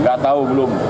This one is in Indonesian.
nggak tahu belum